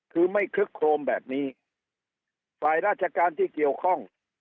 คือไม่คลึกโครมแบบนี้ฝ่ายราชการที่เกี่ยวข้อง